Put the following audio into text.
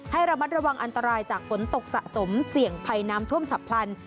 ให้ระมัดระวังอันตรายจากฝนตกสะสมเสี่ยงภัยน้ำท่วมฉับพลัน